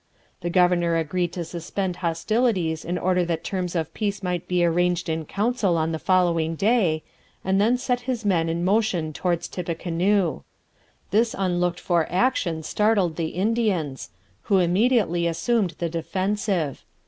The governor agreed to suspend hostilities in order that terms of peace might be arranged in council on the following day, and then set his men in motion towards Tippecanoe. This unlooked for action startled the Indians, who immediately assumed the defensive.